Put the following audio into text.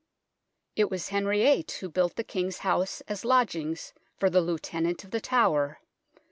It was Henry VIII who built the King's House as lodgings for the Lieutenant of The Tower.